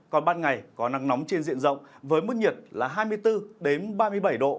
còn ban ngày có nắng nóng trên diện rộng với mức nhiệt là hai mươi bốn ba mươi bảy độ